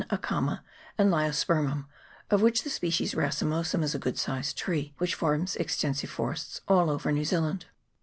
Aikama, and Leiospermum, of which the species racemosum is a good sized tree, which forms exten sive forests all over New Zealand.